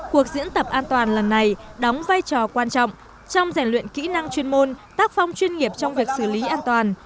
cuộc diễn tập an toàn lần này đóng vai trò quan trọng trong rèn luyện kỹ năng chuyên môn tác phong chuyên nghiệp trong việc xử lý an toàn